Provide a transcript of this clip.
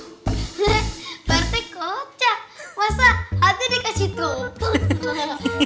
hehehe parete kocak masa hati dikasih toko